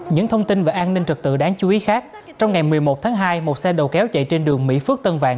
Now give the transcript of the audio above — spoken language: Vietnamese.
những thông tin về an ninh trật tự đáng chú ý khác trong ngày một mươi một tháng hai một xe đầu kéo chạy trên đường mỹ phước tân vạn